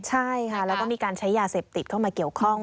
ใช่ค่ะแล้วก็มีการใช้ยาเสพติดเข้ามาเกี่ยวข้อง